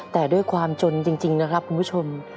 แต่ด้วยความจนจริงนะครับคุณผู้ชม